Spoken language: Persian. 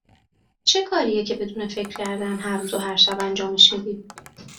چه کاریه که بدون فکر کردن، هر روز و هر شب انجامش میدی؟